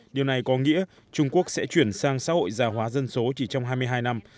điều này có nghĩa trung quốc sẽ chuyển sang xã hội già hóa dân số chỉ trong hai mươi hai năm